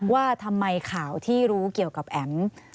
ว่าทำไมข่าวที่รู้เกี่ยวกับแอ๋ม